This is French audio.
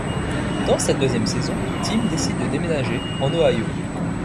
Dans cette deuxième saison, Tim décide de déménager en Ohio.